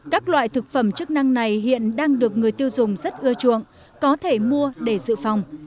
các loại thực phẩm chức năng này hiện đang được người tiêu dùng rất ưa chuộng có thể mua để dự phòng